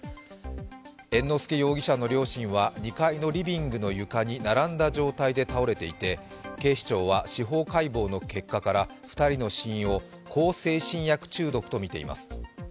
猿之助容疑者の両親は２階のリビングの床に並んだ状態で倒れていて警視庁は司法解剖の結果から２人の死因を向精神薬中毒とみています。